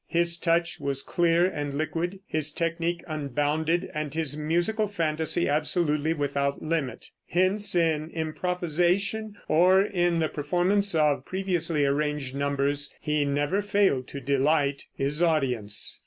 His touch was clear and liquid, his technique unbounded, and his musical fantasy absolutely without limit. Hence in improvisation or in the performance of previously arranged numbers he never failed to delight his audience.